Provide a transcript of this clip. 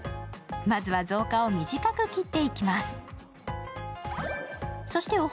まずは造花を短く切っていきます。